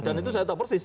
dan itu saya tahu persis